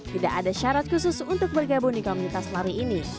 tidak ada syarat khusus untuk bergabung di komunitas lari ini